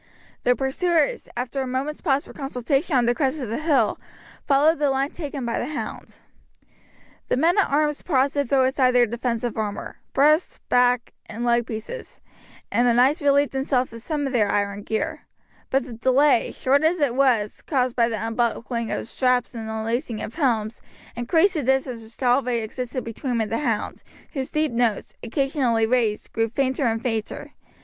The pursuers, after a moment's pause for consultation on the crest of the hill, followed the line taken by the hound. The men at arms paused to throw aside their defensive armour, breast, back, and leg pieces, and the knights relieved themselves of some of their iron gear; but the delay, short as it was, caused by the unbuckling of straps and unlacing of helms, increased the distance which already existed between them and the hound, whose deep notes, occasionally raised, grew fainter and fainter.